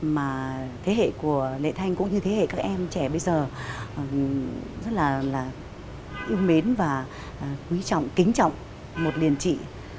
mà thế hệ của lệ thanh cũng như thế hệ các em trẻ bây giờ rất là yêu mến và kính trọng một liền trị